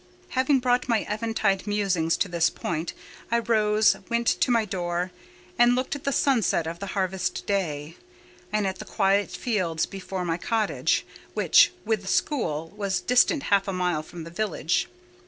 Having brought my eventide musings to this point, I rose, went to my door, and looked at the sunset of the harvest day, and at the quiet fields before my cottage, which, with the school, was distant half a mile from the village.